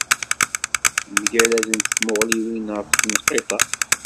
Mgaradent tmuɣliwin ɣef tneqqiṭ-a.